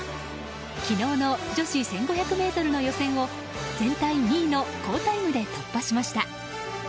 昨日の女子１５００ｍの予選を全体２位の好タイムで突破しました。